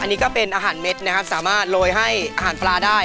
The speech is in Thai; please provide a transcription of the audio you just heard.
อันนี้ก็เป็นอาหารเม็ดนะครับสามารถโรยให้อาหารปลาได้